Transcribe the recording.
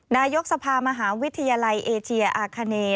นายกสภามหาวิทยาลัยเอเชียอาคาเน